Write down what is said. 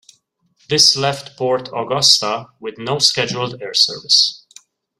This left Port Augusta with no scheduled air service.